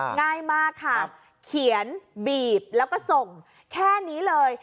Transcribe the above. ง่ายมากค่ะเขียนบีบแล้วก็ส่งแค่นี้เลย